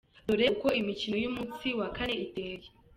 Dore uko imikino y’umunsi wa kane iteye:.